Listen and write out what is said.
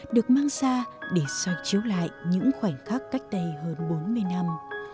được mang ra để soi chiếu lại những khoảnh khắc cách đây hơn bốn mươi năm